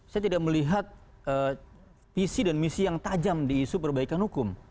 saya tidak melihat visi dan misi yang tajam di isu perbaikan hukum